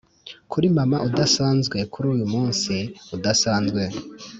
kuri mama udasanzwe kuri uyumunsi udasanzwe,